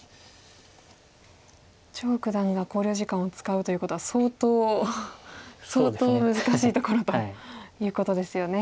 張九段が考慮時間を使うということは相当難しいところということですよね。